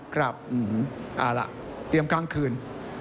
ครับเอาล่ะเตรียมกลางคืน